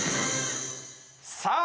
さあ！